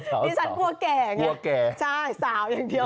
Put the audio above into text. ดิฉันกลัวแก่ไงกลัวแก่ใช่สาวอย่างเดียว